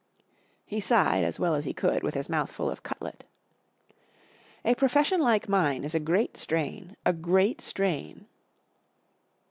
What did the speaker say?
He sighed as well as he could with his mouth full of cutlet. 44 A profession like mine is a great strain, a great strain.